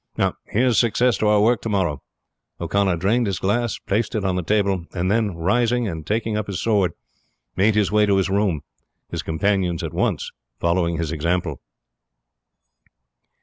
Now, here's success to our work to morrow." O'Connor drained his glass and placed it on the table, and then rising and taking up his sword made his way to his room, his companions at once following his example.